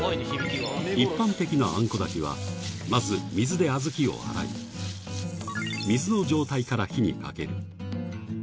一般的なあんこ炊きは、まず水で小豆を洗い、水の状態から火にかける。